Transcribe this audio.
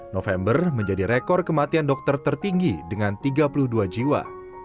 november menjadi rekor kematian dokter tertinggi dengan tiga puluh dua jiwa